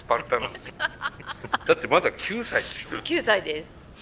だってまだ９歳でしょ。